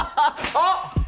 あっ！